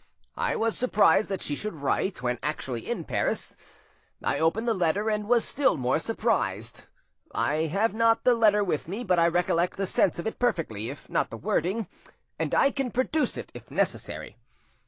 I was surprised that she should write, when actually in Paris; I opened the letter, and was still more surprised. I have not the letter with me, but I recollect the sense of it perfectly, if not the wording, and I can produce it if necessary.